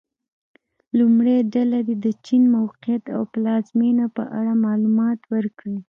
لومړۍ ډله دې د چین موقعیت او پلازمېنې په اړه معلومات ورکړي.